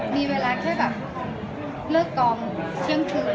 มีเวลาแค่แบบเลิกกองเสริมเชื่อมคืน